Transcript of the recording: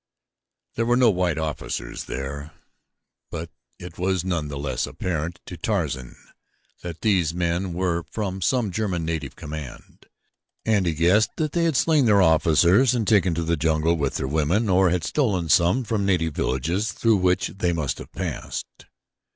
There were no white officers there, but it was none the less apparent to Tarzan that these men were from some German native command, and he guessed that they had slain their officers and taken to the jungle with their women, or had stolen some from native villages through which they must have passed.